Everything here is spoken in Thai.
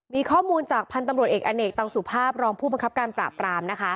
มีข้อมูลจากพันธุ์ตำรวจเอกอเนกตังสุภาพรองผู้บังคับการปราบปรามนะคะ